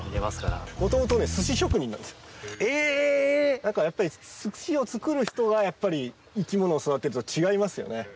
だからやっぱり寿司を作る人が生き物を育てると違いますよね。